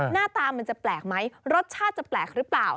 หน้าตามันจะแปลกไหมรสชาติจะแปลกหรือเปล่า